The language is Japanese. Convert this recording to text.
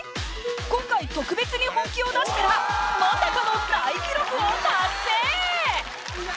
今回特別に本気を出したらまさかの大記録を達成！